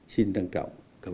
xin trân trọng cảm ơn